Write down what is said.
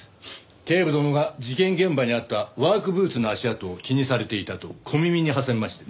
警部殿が事件現場にあったワークブーツの足跡を気にされていたと小耳に挟みましてね。